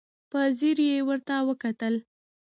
په ځير يې ورته وکتل.